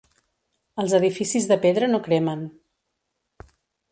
Els edificis de pedra no cremen.